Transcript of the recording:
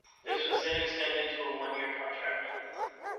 This was then extended to a one-year contract.